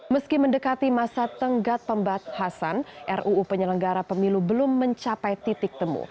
meski mendekati masa tenggat pembatasan ruu penyelenggara pemilu belum mencapai titik temu